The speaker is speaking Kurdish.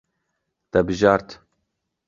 Te bijart.